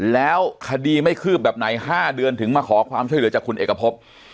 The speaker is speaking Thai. แล้วคดีไม่คืบแบบไหน๕เดือนถึงมาขอความช่วยเหลือจากคุณเอกพบ